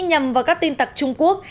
nhằm vào các tin tặc trung quốc